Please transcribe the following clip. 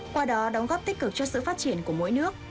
qua đó đóng góp tích cực cho sự phát triển của mỗi nước